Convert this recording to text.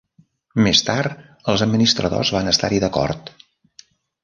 Més tard els administradors van estar-hi d'acord.